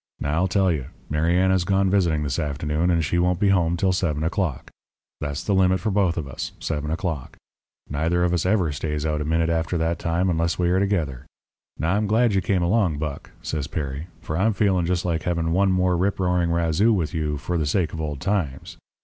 Now, I'll tell you: Mariana's gone visiting this afternoon, and she won't be home till seven o'clock. That's the limit for both of us seven o'clock. Neither of us ever stays out a minute after that time unless we are together. Now, I'm glad you came along, Buck,' says Perry, 'for I'm feeling just like having one more rip roaring razoo with you for the sake of old times.